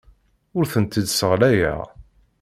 Ur tent-id-sseɣlayeɣ.